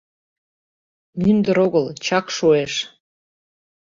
Мӱндыр огыл, чак шуэш